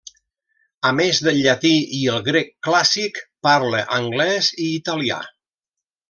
A més del llatí i el grec clàssic, parla anglès i italià.